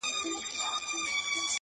زما ځواني دي ستا د زلفو ښامارونه وخوري ـ